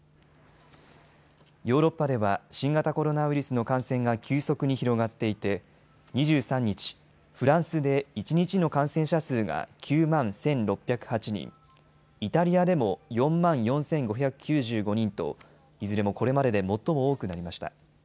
ヨーロッパでは新型コロナウイルスの感染が急速に広がっていて２３日、フランスで一日の感染者数が９万１６０８人、イタリアでも４万４５９５人といずれもこれまでで最も多くなりました。